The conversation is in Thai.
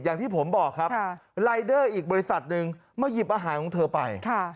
อย่างที่ผมบอกครับรายเดอร์อีกบริษัทหนึ่งมาหยิบอาหารของเธอไป